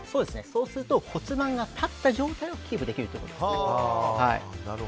そうすると骨盤が立った状態をキープできるということです。